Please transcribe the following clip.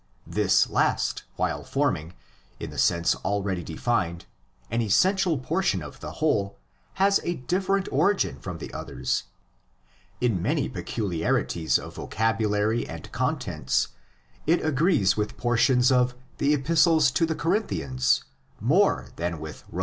This last, while forming, in the sense already defined, an essential portion of the whole, has a different origin from the others. In many peculiarities of vocabulary and contents it agrees with portions of the Epistles to the Corinthians more than with Rom.